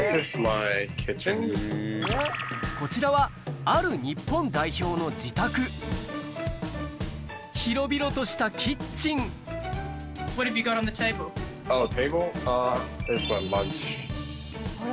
こちらはある日本代表の自宅広々としたキッチンメニューは